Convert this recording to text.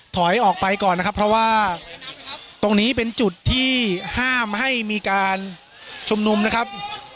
ถอยออกไปก่อนนะครับเพราะว่าตรงนี้เป็นจุดที่ห้ามให้มีการชุมนุมนะครับ